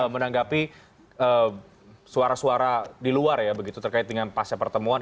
menanggapi suara suara di luar ya begitu terkait dengan pasca pertemuan